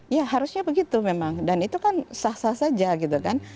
ya harusnya begitu memang dan itu kan sah sah saja gitu kan